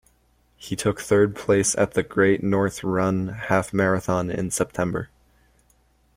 He took third place at the Great North Run half marathon in September.